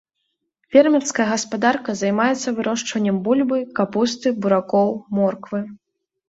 Фермерская гаспадарка займаецца вырошчваннем бульбы, капусты, буракоў, морквы.